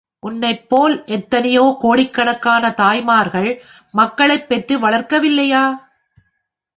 உன்னைப்போல் எத்தனையோ கோடிக்கணக்கான தாய்மார்கள் மக்களைப் பெற்று வளர்க்கவில்லையா?